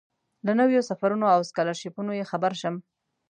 له نویو سفرونو او سکالرشیپونو یې خبر شم.